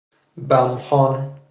بم خوان